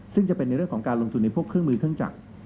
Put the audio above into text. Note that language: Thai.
ซึ่งจะเป็นในเรื่องของการลงทุนในพวกเครื่องมือเครื่องจักร